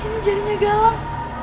ini jarinya galang